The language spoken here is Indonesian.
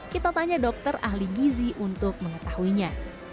kita tanya dokter ahli gizi untuk mengetahuinya